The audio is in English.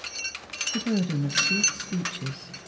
*' The burden of sweet speeches.